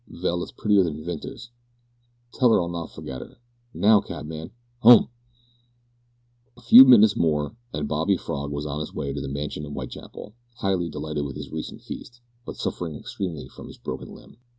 Vell, it's prettier than Vinters. Tell 'er I'll not forget 'er. Now, cabman 'ome!" A few minutes more, and Bobby Frog was on his way to the mansion in Whitechapel, highly delighted with his recent feast, but suffering extremely from his broken limb.